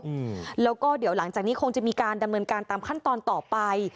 อืมแล้วก็เดี๋ยวหลังจากนี้คงจะมีการดำเนินการตามขั้นตอนต่อไป